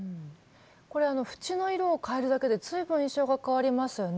これ縁の色を変えるだけで随分印象が変わりますよね。